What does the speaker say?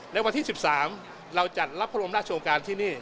ในวันที่๑๓เราจัดรับพระบรมราชวงการที่นี่